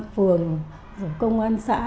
phường công an xã